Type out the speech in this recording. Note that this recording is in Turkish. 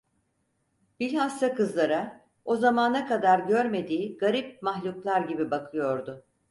Bilhassa kızlara, o zamana kadar görmediği garip mahluklar gibi bakıyordu.